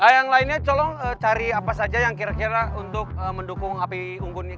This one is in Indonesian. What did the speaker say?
yang lainnya tolong cari apa saja yang kira kira untuk mendukung api unggun ini